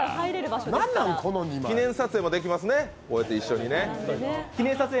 記念撮影もできますね、一緒にね。